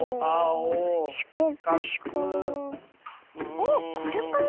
あっこれかな？